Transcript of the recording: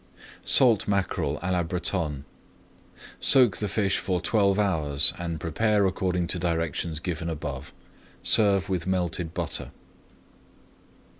SALT MACKEREL À LA BRETONNE Soak the fish for twelve hours and prepare according to directions given above. Serve with melted butter.